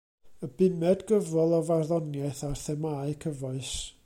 Y bumed gyfrol o farddoniaeth ar themâu cyfoes.